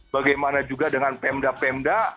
bagaimana juga dengan pemda pemda